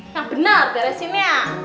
yang bener beresinnya